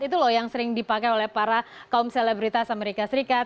itu loh yang sering dipakai oleh para kaum selebritas amerika serikat